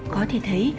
có thể thấy